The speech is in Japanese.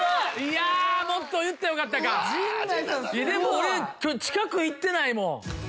俺近く行ってないもん。